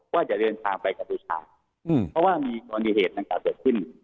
ว่าจะเดินทางไปกับปุชาอืมเพราะว่ามีบรรยาเหตุนะคะเกิดขึ้น